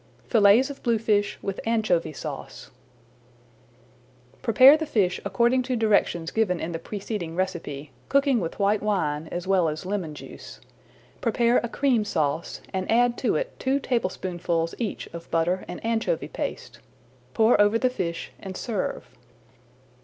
FILLETS OF BLUEFISH WITH ANCHOVY SAUCE Prepare the fish according to directions [Page 76] given in the preceding recipe, cooking with white wine as well as lemon juice. Prepare a Cream Sauce, and add to it two tablespoonfuls each of butter and anchovy paste. Pour over the fish and serve.